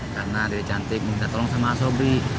karena dedek cantik minta tolong sama asobri